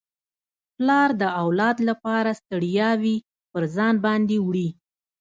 پلار د اولاد لپاره ستړياوي پر ځان باندي وړي.